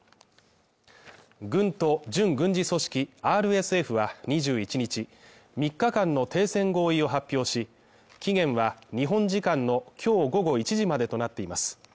軍と準軍事組織ＲＳＦは２１日、３日間の停戦合意を発表し、期限は日本時間の今日午後１時までとなっています。